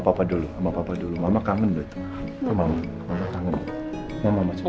iya yaudah sama papa dulu mama kangen loh gitu